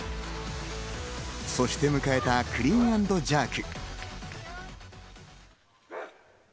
そして迎えたクリーン＆ジャーク。